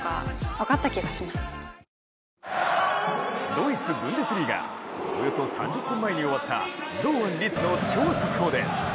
ドイツ・ブンデスリーガ、およそ３０分前に終わった堂安律の超速報です。